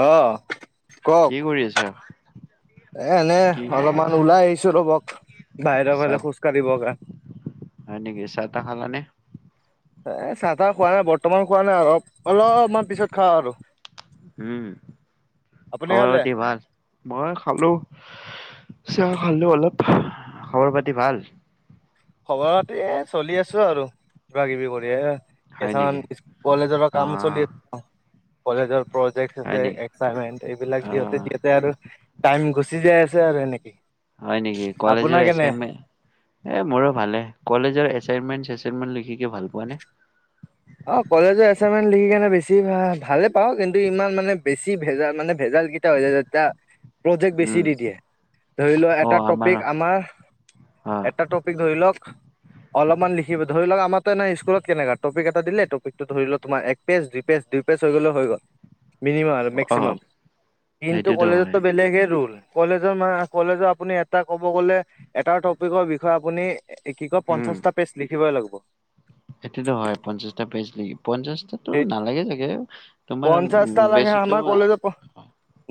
আহ কওক কি কৰি আছা? এ, এনে কি অলপমান ওলাই আহিছো ৰবক, বাহিৰৰ চাহ ফালে খোজ কাঢ়িব কাৰণ। হয় নেকি, চহ তাহ খালানে। এ, চাহ তাহ খোৱা নাই বৰ্তমান খোৱা নাই, অলপ- অলপমান পিছত খাওঁ আৰু। উম, আপুনি খবৰ খালে পতি ভাল? মই খালো। চাহ খালো অলপ। খবৰ পাতি ভাল। খবৰ পাতি এ, চলি আছো আৰু কিবা কিবি কৰি এ হয় কেছামান নেকি? কিছু কলেজৰো কাম অ' চলি আছে কলেজৰ। প্ৰজেক্ট হয় আছে নেকি? একচাইমেন এইবিলাক, দিওতে অ' দিওতে আৰু টাইম গুছি চিজাই আছে আৰু এনেকে। হয় নেকি? কলেজৰ এচাইমেন, এ, মোৰো। ভালে, কলেজৰ এচাইমেন, চেচাইমেন লিখিকে ভাল পোৱা নে? অহ, কলেজৰ এচাইনমেট লিখিকিনে বেছি ভা ভালে পাওঁ, কিন্তু ইমান মানে, বেছি ভেজাল মানে ভেজা ভাল কিতা হৈ হয়, যাত্ৰা প্ৰজেক্ট বেছি উম, দি দিয়ে, ধৰিলোৱা এটা টপিক আমাৰ অ' এটা টপিক ধৰিলওক, অলপমান লিখিব ধৰিলওক, আমাৰো স্কুলত কেনেকা, টপিক এটা দিলে টপিকটো ধৰিলওক তোমাৰ এক পেজ, দুই পেজ, দুই পেজ, হৈ গ'লেও হৈ গ'ল। মিনিমাম আৰু অ' মেক্সিমাম, কিন্তু সেইটোতো হয়। কলেজতো বেলেগে ৰোল। কলেজৰ মান কলেজৰ আপুনি এটা ক'ব গ'লে এটা টপিকৰ বিষয়ে আপুনি কি কয়, পঞ্চাশটা পেজ লিখিবই লাগব। সটোতো হয়, পঞ্চাশটা পেজ লিখিব। পঞ্চাশতো সেই নালাগে চাগে, তোমাৰ পঞ্চাশটা লাগে বেছিটো আমাৰ কলেজত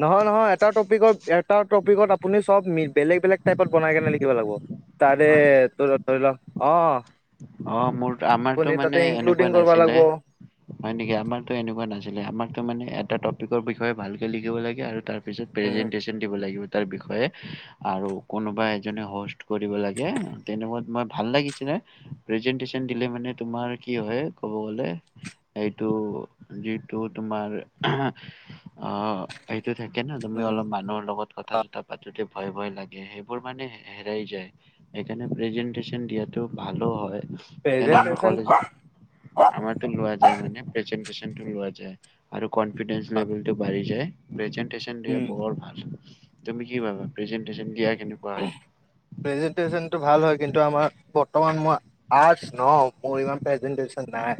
নহয়, নহয়। এটা টপিকত এটা টপিকত আপুনি চব বেলেগ বেলেগ টাইত বনাই কেনে লিখিব লাগিব। হয় তাৰেটো ধৰিলোৱা, অহ। অহ, মোৰ আমাৰতো মানে এনেকুৱা কৰিব নাছিলে। লাগিব হয় নেকি? আমাৰতো এনেকুৱা নাছিলে আমাৰতো মানে, এটা টপিকৰ বিষয়ে ভালকে লিখিব লাগে আৰু তাৰ। পিছত প্ৰেজেন্টেশচন দিব লাগিব। তাৰ বিষয়ে আৰু কোনোবা এজনে হোষ্ট কৰিব লাগে তেনেকুৱ মই ভাল লাগিছিলে হয়। ৰিজিটেনশন দিলে মানে তোমাৰ কি হয় ক'ব গ'লে সেইটো যিটো তোমাৰ অ - টো থাকে ন তুমি অলপ মানুহৰ লগত কথা প্ৰেজেন্টেচন চথা পাতোতে ভয় - ভয় লাগে সেইবোৰ মানে হেৰাই যায় সেইকাৰণে প্ৰেজেনটেশচন দিয়াতটো ভালো হয়। সেইকাৰণে আমাৰ কলেজ আমাৰটো লোৱা যায় মানে প্ৰেজেণ্টেশন লোৱা যায় আৰু কনফিডেন্স লেবেলটো বাঢ়ি যায়। প্ৰেজেণ্ট প্ৰেজেণ্টশন ইয়াৰ বহুত ভাল তুমি কি ভাবা প্ৰেজেণ্টশন দিয়া কেনেকুৱা হয়, প্ৰেজেণ্টেছন টো ভাল হয় কিন্তু আমাৰ বৰ্তমান মই আৰ্টছ ন মোৰ ইমান প্ৰেজেনটেশচন নাই।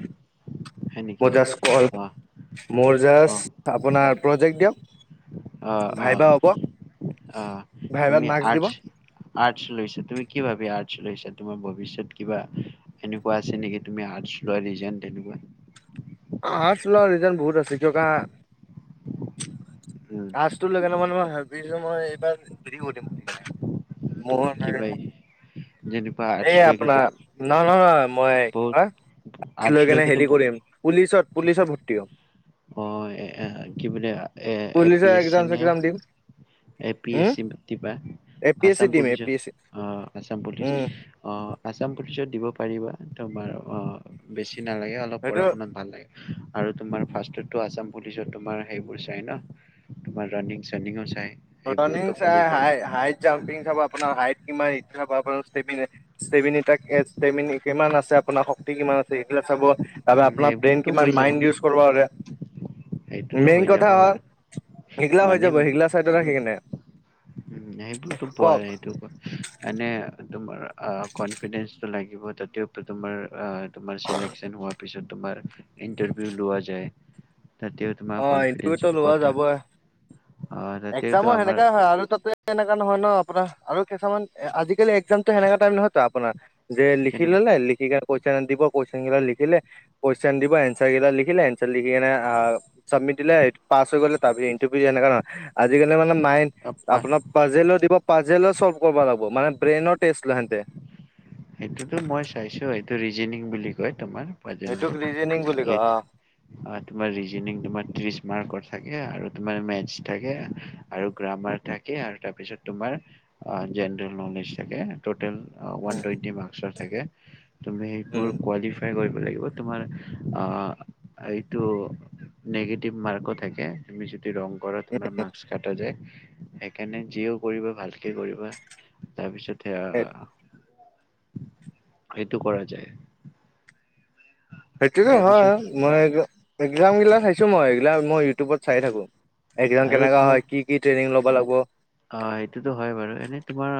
হয় ম নেকি? জাচ কল অ', মজাজ অ', আপোনাৰ প্ৰজেক্ট দিয়ক অ অ ভাইবা হ'ব অ ভাইবাত তুমি মাৰ্ক্স দিব আৰ্টছ আৰ্টছ লৈছা তুমি কি ভাবি? আৰ্টছ লৈছা তোমাৰ ভৱিষৎ কিবা এনেকুৱ আছে নেকি তুমি আৰ্টছ লোৱা ৰিজন তেনেকুৱা? উম। আৰ্টছ লোৱা ৰিজন বহুত আছে কিয় উম, আৰ্টছটো লৈ কেনে মানে মই ভাবিছো মই এইবাৰ হেৰি কৰি দিম বুলি কেনে মোৰ কিবা যেনেকুৱা [unintelligible] আৰ্টছ এই লৈকেতো আপোনাৰ ন ন নহ মই কি বহুত কয় আৰ্টছ লৈ কেনে লৈকেতো হেৰি ব- কৰিম পুলিচত পুলিচত ভৰ্তিও সম। অ এ কি বুলি এ এ পি পুলিচৰ এছ চি এক্সাম না চেক্সাম দিম A P S um C ভতি বা। A P S C Assam দিম এ পি পুলিচত এছ চি অ আছাম পুলিচ উম, অ আছাম পুলিচত দিব পাৰিবা। তোমাৰ অ বেছি নালাগে অলপ সেইটো পঢ়া শুনাত ভাল লাগে আৰু তোমাৰ ফাৰ্ষ্টতো আছাম পুলিচত তোমাৰ সেইবোৰ চাই ন তোমাৰ ৰৰানিং চানিংও চাই। সেইবোৰতো ৰানিং কোৱালিফাই চাই হাইট জাম্পিং চাব আপোনাৰ হাইট [unintelligible] কিমান আছে আপোনাৰ শক্তি কিমান আছে সেইবিলাক চাব [unintelligible] তাপা আপোনাৰ ব্ৰেইন সেইবোৰতো হৈ কিমান যাব মাইণ্ড ইউজ কৰিব পাৰে সেইটোতো মেইন হৈ কথা যাব বাৰ মানে চাইদত ৰাখি কেনে উম সেইবোৰতো পোৱা নাই সেইটোক এনে তোমাৰ কনফিডেন্সটো লাগিব তাতেও তোমাৰ তোমাৰ চিলেকচন হোৱা পিছত তোমাৰ ইন্টাৰভিউ লোৱা যায়। তাতেও তোমাৰ অ ইন্টাৰভিউ কনফিডেন্সত লোৱা কথা যাবই অ তাতেতো একজামো আমাৰ সেনেকাই হয় আৰু তাতে তেনেকা নহয় ন আপোনাৰ আৰু কিছুমান আজিকালি একজামত সেনেকা টাইম নহয়তো আপোনাৰ। যে লিখি কিন্তু ললে লিখিকা কুৱেশন দিব কুৱেশন কেইটা লিখিলে কুৱেশন দিব এনচাৰ কেইটা লিখিলে এনাৰ লিখি কিনে আহ চাবমিট দিলে পাচ হৈ গলে তাৰ ভি ইণ্টাৰভিউ এনেকা না আজিকালি মানে [unintelligible] অ পা আপোনাক পাজেলও দিব পাজেলও চল্ভ কৰিব লাগিব মানে ব্ৰেইনৰ টেষ্ট লয় হেণ্টে সেইটোতো মই চাইছো এইটো ৰিজনিঙ বুলি কয়। তোমাৰ সেইটোক পাজেলবোৰ ৰিজনিং বুলি কয় এইট অ অ তোমাৰ ৰিজনিং তোমাৰ তিৰিছ মাৰ্কৰ থাক থ আৰু তোমাৰ [unintelligible] থাকে আৰু গ্ৰামাৰ থাকে আৰু তাৰপিছত তোমাৰ জেনেৰেল নলেজ থাকে টোটেল ওৱান টুৱেণ্টি মাৰ্কচৰ থাকে তুমি উম সেইবোৰ কোৱালিফাই কৰিব লাগিব তোমাৰ অ এইটো নিগেটিভ মাৰ্কও থাকে তুমি যদি ৰং ঘৰত তোমাৰ মাছ কাটা যায় সেইকাৰণে যিও কৰিবা ভালকে কৰিবা তাৰপিছত এতিয়া উম সেইটো কৰা যায়। সেইটোতো হয় তাৰপিছত মই একজামগিলা চাইছোঁ মই এইগিলা মই ইউটিউবত চাই থাকো। এক্জাম আৰু কেনেকা তোমাৰ হয় কি কি ট্ৰেইনিং লবা লাগিব। অ এইটোতো হয় বাৰু এনে তোমাৰ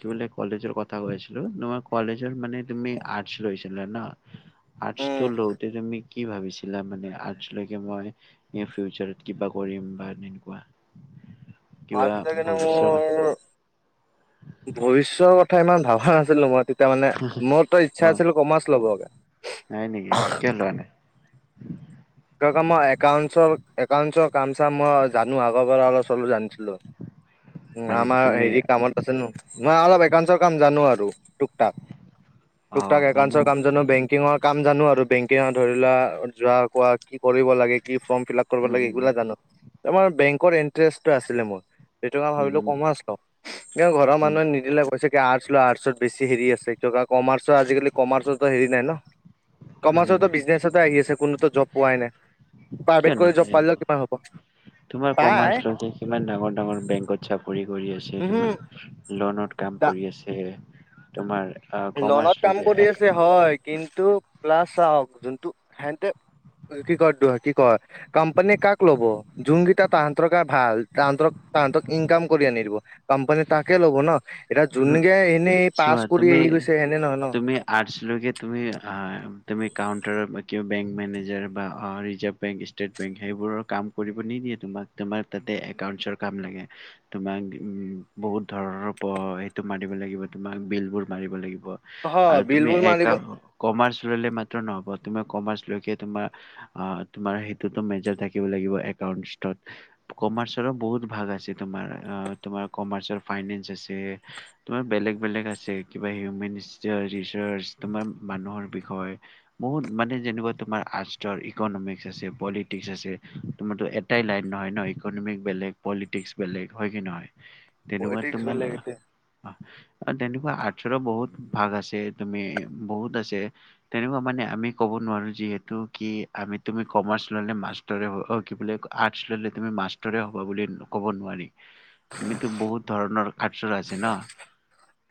কি বুলি কলেজৰ কথা কৈছিলো তোমাৰ কলেজৰ মানে তুমি আৰ্টছ লইচ ন আৰ্টছ উম তটো লওঁতে তুমি কি ভাবিছিলা মানে আৰ্টছ লৈকে মই ফিউচাত কিবা কৰিম বা তেনেকুৱা [inaudible] অ [unintelligible] ভৱিষ্যকা ভৱিষ্যয়ৰ কথা ইমান ভাবা নাছিলো মই তেত তাৰ মানে মোৰতো অ ইচ্ছা আছিল কমাৰ্চ ল'বগে। নাই নেকি কিয় লোৱা নাই ই একাউণ্টচৰ একাউটছৰ কাম চাম মই জানোঁ আগৰ পৰালচৰ জান মানে কি আমাৰ তুমি হেৰি কামত আছে নো মই অলপ একাউণ্টচৰ কাম জানোঁ আৰু টুক অ টাক মানে একাউণ্টচৰ কাম জানোঁ বেংকিং কাম জানোঁ আৰু ধৰিলোৱা যোৱা কোৱা কি কৰিব লাগে কি ফৰ্ম ফিল আপ কৰিব উম লাগে উম এইবিলাক জানো তোমাৰ বেংকৰ ইণ্টাৰেষ্টটো আছিলে মোৰ সেইটোকে ভাবিলোঁ উম কম আছ কিন্তু ঘৰৰ উম মানুহে নিদিলে কৈছে আৰ্ট ল আৰ্টচত বেছি হেৰি আছে কমাৰ্চৰ আজিকালি কমাৰ্চো হেৰি নাই ন উম উম কমাৰ্চতো বিজনেছতে আহি আছে কোনোতো জব পোৱাই নাই কিয় প্ৰাইভেট কৰি জব নাপায়ং পালেও কিমান হ'ব তোমাৰ পাই কমাৰ্চ কিমান ডাঙৰ ডাঙৰ বেংকত চাকৰি কৰি আছে উহু তোমাৰ লনত কাম দা কৰি আছে তোমাৰ আহ কমাৰ্চ লনত কাম লৈকে কৰি এক আছে হয় কিন্তু প্লাছ চওক যোনটো সেতে কি ক দ কি ক কোম্পানীয়ে কাক ল'ব যোনকেইটা তাহন্তৰকে ভাল তাহ তাহাঁতক ইনকাম কৰি আনিলোঁ কোম্পানী তাকে ল'ব ন এতিয়া যোনকে এনেই পাছ চোৱা কৰি তুমি গৈছে সেনে নহয় ন তুমি আট্চ লোকে তুমি অ তুমি কাউণ্টাৰৰ কিব বেংক মেনেজাৰ বা অ ৰিজাৰ্ভ বেংক ষ্টেট বেংক সেইবোৰৰ কাম কৰিব নিদি দ তোমাক তোমাক তাতে একাউন্টছৰ কাম লাগে তোমাক উম বহুত ধৰণৰ প সেইটো মাৰিব লাগিব তোমাক বিল বোৰ মাৰিব লাগিব হ আৰু বিল তুমি বুল এ মাৰিব কমাৰ্চ ল'লে ম নহ'ব তোমাৰ কমাৰ্চ লৈকে তোমাৰ তোমাৰ সেইটোতো মেজাৰ থাকিব লাগিব একাউণ্ট কমাৰ্চৰো বহুত ভাগ আছে তোমাৰ অ তোমাৰ কমাৰ্চৰ ফাইনেন্স আছে তোমাৰ বেলেগ বেলেগ আছে কিবা হিউমেন ৰিচাৰ্চ তোমাৰ মানুহৰ বিষয়ে বহুত মানে যেনেকুৱা তোমাৰ শাস্ত্ৰ ইকনমিক্স আছে পলিটিকস আছে তোমাৰো এটাই লাইন নহয় ন ইকনমিক বেলেগ পলিটিক্স বেলেগ হয়, কি নহয়? তেনেকুৱা পলিটিক্স তোমাৰ বেলেগ এতিয়া অ' অ তেনেকুৱা আৰ্টচৰো বহুত ভাগ আছে তুমি বহুত আছে তেনেকুৱা মানে আমি ক'ব নোৱাৰোঁ যিহেতু কি আমি, তুমি কমাৰ্চ ল'লে মাষ্টৰে অ', কি বুলি কয়, আৰ্টচ ল'লে তুমি মাচ হ'ব বুলি ক'ব নোৱাৰি তুমিতো বহুত ধৰণৰ খচৰ আছে ন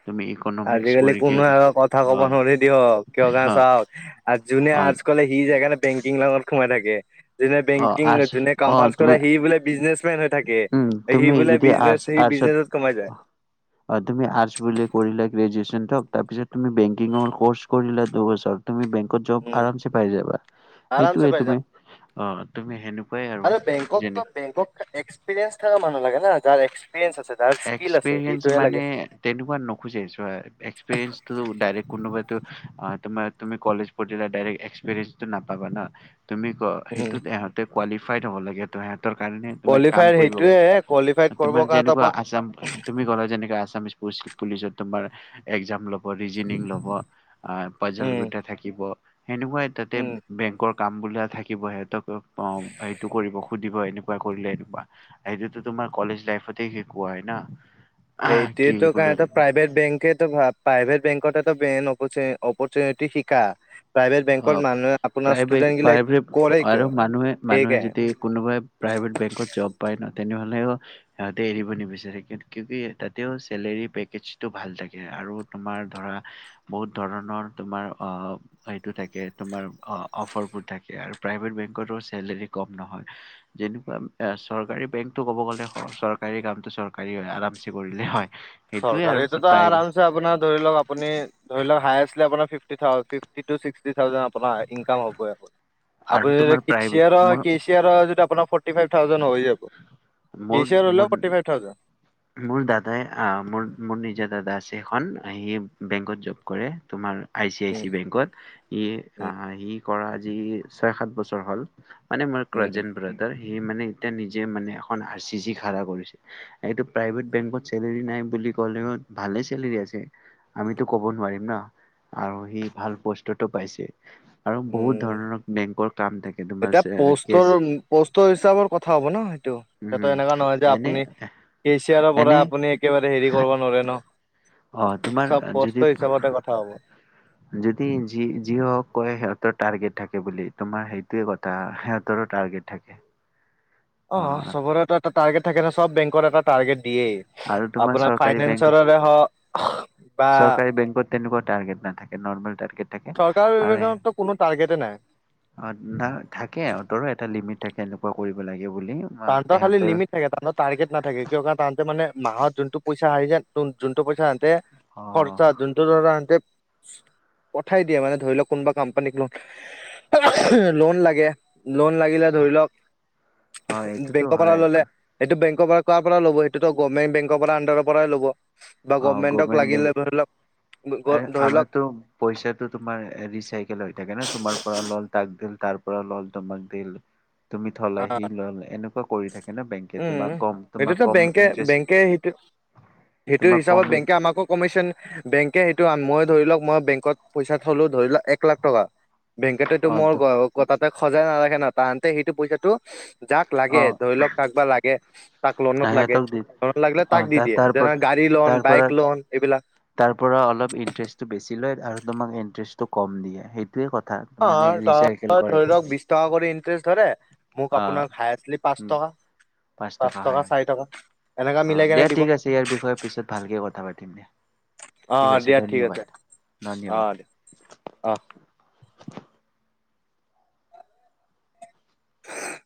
তুমি ইকনমিক্স আজিকালি পঢ়িকে কোনো আৰু কথা কব অ নোৱ দিয়ক কিয় গণ অ চাওক আৰু যোনে অ আৰ্ট্ কলে যোনে অ বেংকিং আৰ্টছ যোনে অ কমাৰ্চ তুমি কৰে সি বোলে [unintelligible] উম সি তুমি বোলে যদি বিজনেচ আৰ্টছ সি আৰ্টছত বিজনেছত কমাই যায়। অ তুমি আৰ্টচ বুলি কৰিলে গ্ৰেজোৱেচন হওঁক, তাৰপিছত তুমি বেংকিঙৰ কৰ্ছ কৰিলা দুবছৰ, তুমি বেং জব উম আৰামচে পাই যাবা। আৰামছে সেইটোৱে পাই যাম তুমি, অ', তুমি সেনেকুৱাই আৰু যেনে এক্সপিৰেঞ্চ থকা মানু লাগে য নেুৱজ্ে ত' আ, তোমা-তুমি কলেজ পঢ়িলে ডাইৰেক্ট এক্সপ্ৰিৰিয়েনচটো নাপাবা ন? তুমি ক' উম, সেইটোত ইহঁতে কোৱালিফাইড হ'ব লাগে, ত' [unintelligible] কাৰণে তুমি কাম কোৱালিফাইড কৰিব সেইটোয়ে পাৰি, কোৱালিফাইড কৰিব তোমাৰ কাৰণে ত যেনেকুৱা পা আ তুমি ক'লা যেনেকে আছামিছ পুচ-পুলিচত তোমাৰ এক্সাম ল উম উম [unintelligible] [unintelligible] দিব এনেকুৱা কৰিলে এনেকুৱা এইটোতো তোমাৰ কলেজ লাইফতে সিকুনাই হয় ন সেইটোয়ো কাৰণ প্ৰাইভেট বেংকো প্ৰাইভেট বেংক অপৰচুনিট শিকা প্ৰাইভেট অ বেংকত মানুহে আপোনাৰ প্ৰায়ভেগ ষ্টুডেন্ট গিলাক কৰে প্ৰায়ভ আৰু কিয় মানুহে মানুহে সেইকাৰণে যদি কোনোবাই প্ৰায় প্ৰাইভেট বংক জব পাই ন তেনেহ'লেও সিহঁতে এৰিব নিবিচাৰে ক কি তাতেও চেলেৰী পেকেজ টো ভাল থাকে আৰু তোমাৰ ধৰা বহুত ধৰণৰ তোমাৰ অ সটো থাকে তোমাৰ অফাৰব টো থাকে [unintelligible] যেনেকুৱা চৰকাৰী বেংকটো ক'ব গ'লে চৰকাৰী কামটো চৰকাৰী আৰামচে কৰিলে হয়। সেইটোৱে আৰু চৰকাৰীটোতো প্ৰাইভেট আৰামছে আপোনাৰ ধৰি লওক আপুনি ধৰি লওক হায়ষ্ট [unintelligible] পাৰ ফিপটি তু চিকচটি [unintelligible] আৰু তোমাৰ প্ৰাইভেট মোৰ ফৰ্টি ফিইব থাউজেণ্ড হৈ মোৰ মোৰ যাব মোৰ দাদাই মোৰ মোৰ নিজৰ দাদা আছে এখন সি বেংকত জব কৰে তোমাৰ I C I um C বেংকত ই উম ইি কৰা আজি ছয় সাত বছৰ হ'ল মানে মোৰ উম কাজেন ব্ৰডাৰ সি মানে এতিয়া নিজে মানে এখন আৰ চি চি খ়া কৰিছিল এইটো প্ৰাইভেট বেংকত চেলাউৰি নাই বুলিলে ভালে চেলাৰি আমিতো কব নোৱাৰিম ন আৰু সি ভাল বস্তুতটো পাইছে আৰু বহুত উম ধৰণৰ বেংকৰ কাম থাকে তোমাৰ এতিয়া কেচ পষ্টৰ পষ্টৰ হিচাপৰ কথা হব ন সেইটো উম এতিয়া এনেকুৱা নহয় যে এনে আপুনি, কে চিয়াৰৰ পৰা এনে আপুনি একেবাৰে হেৰি কৰিব নোৱাৰে ন অ তোমাৰ চব প্ৰস্ত যদি হিচাপতে কথা হব যদি যি যি হক কয় সিহঁতৰ টাৰ্গেট থাকে বুলি তোমাৰ সেই সেইটো কথা তাহাতাৰো টাৰ্গেট থাকে। অ, চবৰোএটাটাৰ্গে থাকে ন চব বেংকৰ এটা টাৰ্গেট দে আৰু তোমাৰ আপোনাৰ চৰকাৰী বেংক ফাইনেন্সৰৰে হ চৰকাৰী বেংকত তেনেকুৱা টাৰ্গেট নাথাকে নৰ্মেল টাৰ্গেট থাকে চৰকাৰ আৰু বিবেচনাতো কোনো টাৰ্গেটে নাই অ, না থাকে সহঁতৰো এটা লিমিট থাকে এনেকুৱা কৰিব লাগে। বুলি তাহাঁতৰ খাল সিহঁতৰ লিমিট থাকে তাহত টাৰ্গে নাথাকে কিয় কাৰ তাহতে মানে মাহত যোনটো পইচা আহে যেন। যোনটো পইচা এতে অ খৰচা যোনটো ধৰা এতে [unintelligible] পঠাই দিয়ে মানে ধৰি লওক কোনোবা কোম্পানীক লোন লোন লাগে লোন লাগিলে অ এইটোতো বেংকৰ পৰা হয় ললে। পৰা ল'ব সেইটো গভমেণ্ বেকৰ পৰা আণ্ডাৰৰ পৰাই ল'ব বা গভমেন্টক লাগিলে ধৰি লওক। ধৰি লওক আমাৰো পইচাটো তোমাৰ ৰিচাইকেল হৈ থাকে ন তোমাৰ পৰা লল তাক দিল তাৰ পৰাৰ লল দমাক দিল তুমি থলা সি লল এনেকুৱা কৰি থাকে ন বেংকে উম তোমাক কম তোমাক সেইটোতো কম বেংকে ইণ্টাৰেষ্ট বেংকে সেইটো [unintelligible] সেইটো কম হিচাপত বেংকে ইণ্ট- আমাকো কমাইছে বেং। তাকে সেইটো মই ধৰি লওক মই বেংকত পইচা থলো ধৰি লওক এক লাখ টকা বেংকেতো এইটো অ মোৰ তো- তাতে সজাই নালাখে ন তাহতে সেইটো পইচাটো যাক লাগে অ ধৰি লওক কাক বা লাগে। তাক লনত লাগে সিহঁতক দি লনত লাগিলে অ তাক ত দি দিয়ে তাৰ পৰা যেনে গাড়ী লোন তাৰ বাইক পৰা লোন এইবিলাক তাৰ পৰা অলপ ইন্টাৰেষ্টটো বেছি লয় আৰু তোমাক ইন্টাৰেষ্টটো কম দিয়ে সেই অ ধক পই- বিশ টকা কৰি ইন্টষ্ট ধ মোক অ আপোনাৰ পাঁচ উম, টকা পাঁচ টকা চাৰি টকা এনেকা অ মিলাই কেনে দে দিব ঠিক আছে ইয়াৰ বিষয়ে পিছত ভালকে কথা পাতিম দে অ' অ' দিয়া ঠিক আছে, ধন্যবাদ অ' অ' অহ' [unintelligible]